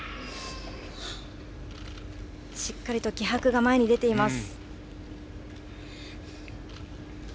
しっかり気迫が前に出ています。